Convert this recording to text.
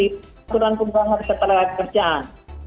peraturan perubahan ketenaga kerjaan